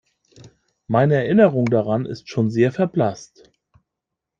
Meine Erinnerung daran ist schon sehr verblasst.